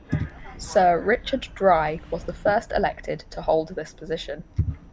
Sir Richard Dry was the first elected to hold this position.